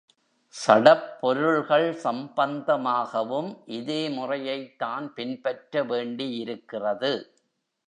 சடப்பொருள்கள் சம்பந்தமாகவும் இதே முறையைத்தான் பின்பற்ற வேண்டியிருக்கிறது.